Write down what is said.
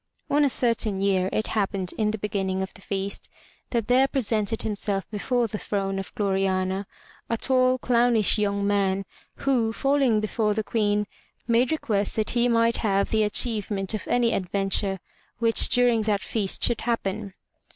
On a certain year it happened in the beginning of the feast that there presented himself before the throne of Gloriana a tall, clownish young man, who, falling before the Queen, made request that he might have the achievement of any adventure which during that feast should happen.